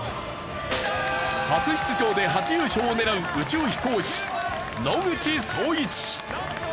初出場で初優勝を狙う宇宙飛行士野口聡一。